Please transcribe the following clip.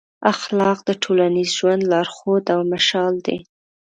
اخلاق د ټولنیز ژوند لارښود او مشال دی.